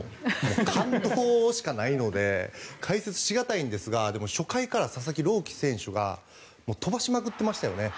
感動しかないので解説し難いんですが初回から佐々木朗希選手が飛ばしまくってましたよね。